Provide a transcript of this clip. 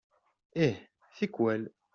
Ih, tikwal.